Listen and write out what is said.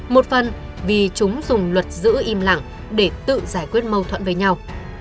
một phần vì chúng dùng luật giữ im lặng để tự giải quyết mâu thuẫn với nhau